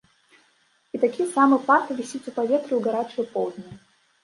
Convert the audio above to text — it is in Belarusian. І такі самы пах вісіць у паветры ў гарачыя поўдні.